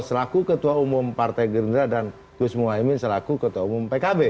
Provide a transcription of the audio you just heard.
selaku ketua umum partai gerindra dan gus muhaymin selaku ketua umum pkb